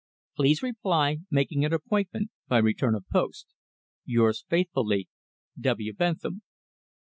Please reply, making an appointment, by return of post. "Yours faithfully, "W. BENTHAM."